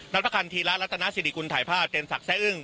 รัฐกรรมทีละรัฐนาศิริกุลถ่ายภาพเจนศักดิ์แซ่อึ้ง